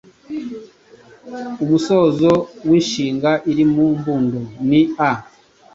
Umusozo w’inshinga iri mu mbundo ni “a”.